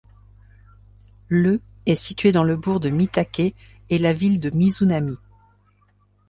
Le est situé dans le bourg de Mitake et la ville de Mizunami.